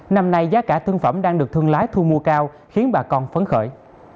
năm nay giá cả thương phẩm đang được thương lái thu mua cao khiến bà con phấn khởi